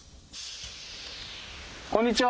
こんにちは。